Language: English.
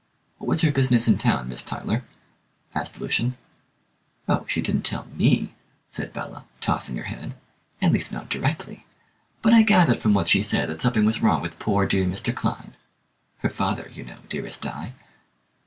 "What was her business in town, Miss Tyler?" asked Lucian. "Oh, she didn't tell me," said Bella, tossing her head, "at least not directly, but I gathered from what she said that something was wrong with poor dear Mr. Clyne her father, you know, dearest Di."